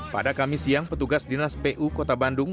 pada kamis siang petugas dinas pu kota bandung